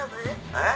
えっ？